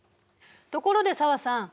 ところで紗和さん